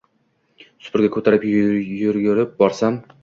Supurgi ko’tarib yugurib borsam…